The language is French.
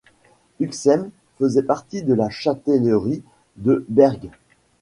Uxem faisait partie de la châtellerie de Bergues.